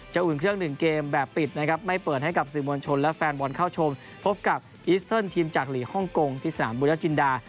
อุ่นเครื่องหนึ่งเกมแบบปิดนะครับไม่เปิดให้กับสื่อมวลชนและแฟนบอลเข้าชมพบกับอิสเทิร์นทีมจากหลีกฮ่องกงที่สนามบุญจินดา